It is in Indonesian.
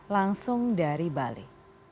langsung dari bali